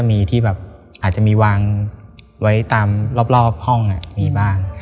มีบ้างครับ